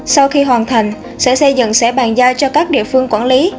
sau khi hoàn thành sở xây dựng sẽ bàn giao cho các địa phương quản lý